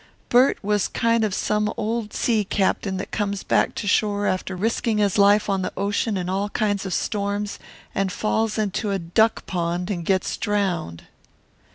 Bert was kind of like some old sea captain that comes back to shore after risking his life on the ocean in all kinds of storms, and falls into a duck pond and gets drowned."